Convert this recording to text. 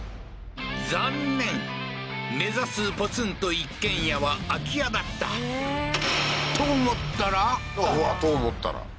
残念目指すポツンと一軒家は空き家だった「と思ったら」？